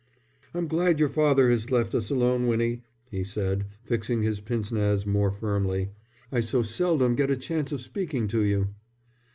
"I'm glad your father has left us alone, Winnie," he said, fixing his pince nez more firmly. "I so seldom get a chance of speaking to you."